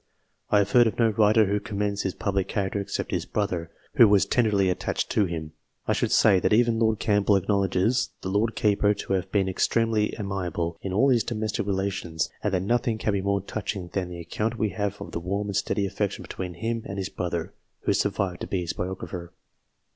I have heard of no writer who commends his public character except his brother, who was tenderly attached to him. I should say, that even Lord Campbell acknowledges the Lord Keeper to have been extremely amiable in all his domestic relations, and that nothing can be more touching than the account we have of the warm and steady affec tion between him and his brother, who survived to be his biographer.